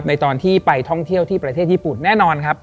ตอนที่ไปท่องเที่ยวที่ประเทศญี่ปุ่นแน่นอนครับ